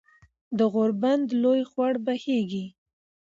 د غوربند لوے خوړ بهېږي